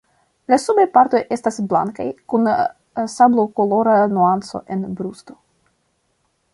La subaj partoj estas blankaj kun sablokolora nuanco en brusto.